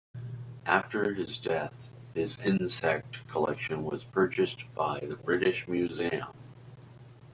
After his death his insect collection was purchased by the British Museum.